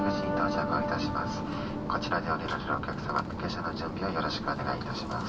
こちらで降りられるお客様下車の準備をよろしくお願い致します」。